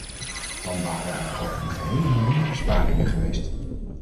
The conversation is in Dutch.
Dan waren er over de gehele linie besparingen geweest.